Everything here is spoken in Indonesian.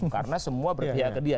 karena semua berpihak ke dia